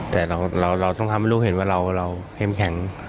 แต่เราต้องทำให้ลูกเห็นว่าเราเข้มแข็ง